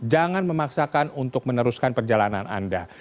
jangan memaksakan untuk meneruskan perjalanan anda